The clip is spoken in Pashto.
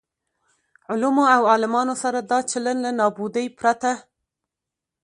علومو او عالمانو سره دا چلن له نابودۍ پرته.